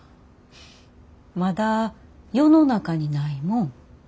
まだ世の中にないもん。